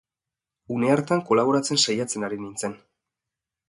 Une hartan kolaboratzen saiatzen ari nintzen.